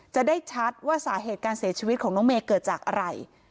จะได้ชัดว่าสาเหตุการเสียชีวิตของน้องเมย์เกิดจากอะไร